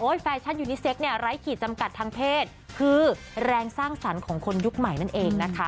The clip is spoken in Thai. แฟชั่นยูนิเซ็กเนี่ยไร้ขีดจำกัดทางเพศคือแรงสร้างสรรค์ของคนยุคใหม่นั่นเองนะคะ